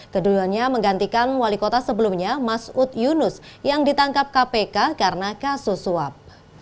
keduanya menggantikan wali kota sebelumnya mas ud yunus yang ditangkap kpk karena kasus suap